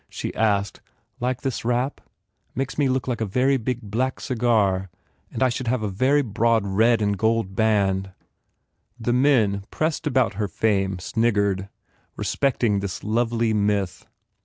She asked, "Like this wrap? Makes me feel like a very big black cigar I should have a very broad red and gold band." The men pressed about her fame sniggered, respecting this lovely myth.